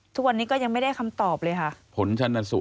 ทุกวันนี้ก็ยังไม่ได้คำตอบเลยค่ะผลชนสูตร